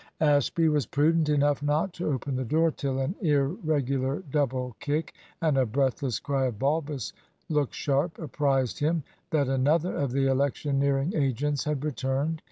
Ashby was prudent enough not to open the door till an irregular double kick and a breathless cry of "Balbus, look sharp," apprised him that another of the electioneering agents had returned.